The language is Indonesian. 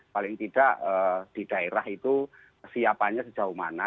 paling tidak di daerah itu kesiapannya sejauh mana